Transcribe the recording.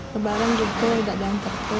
kebarang juga gak diantar ke